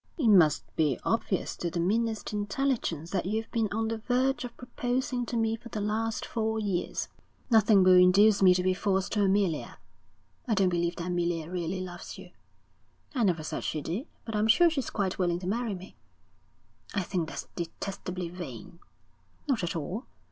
'It must be obvious to the meanest intelligence that you've been on the verge of proposing to me for the last four years.' 'Nothing will induce me to be false to Amelia.' 'I don't believe that Amelia really loves you.' 'I never said she did; but I'm sure she's quite willing to marry me.' 'I think that's detestably vain.' 'Not at all.